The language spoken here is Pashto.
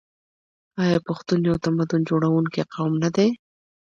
آیا پښتون یو تمدن جوړونکی قوم نه دی؟